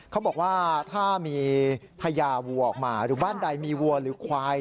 เขาบอกว่าถ้ามีพญาวัวออกมาหรือบ้านใดมีวัวหรือควาย